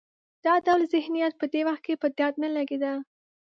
دا ډول ذهنیت په دې وخت کې په درد نه لګېده.